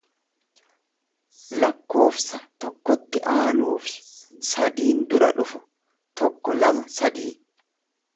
lakkoofsa tokkotti aanuufi sadiin dura dhufu; Tokko, lama, sadii.